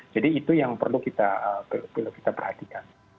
itu yang perlu kita perhatikan